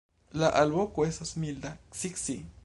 La alvoko estas milda "ci-ci".